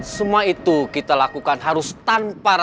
semua itu kita lakukan harus dengan berpindah pindah